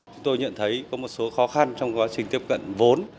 chúng tôi nhận thấy có một số khó khăn trong quá trình tiếp cận vốn